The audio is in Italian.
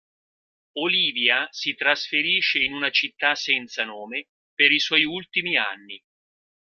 Olivia si trasferisce in una città senza nome per i suoi ultimi anni.